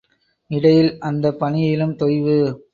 இடையில் அந்தப் பணியிலும் தொய்வு.